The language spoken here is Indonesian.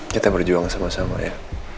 kita berjuang sama sama ya